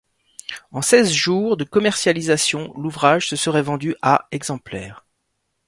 En seize jours de commercialisation, l'ouvrage se serait vendu à exemplaires.